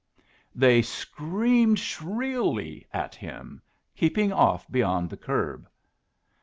They screamed shrilly at him, keeping off beyond the curb.